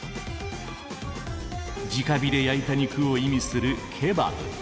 「直火で焼いた肉」を意味するケバブ。